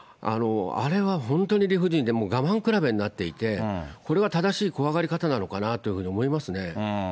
あれは本当に理不尽で、我慢比べになっていて、これが正しい怖がり方なのかなというふうに思いますね。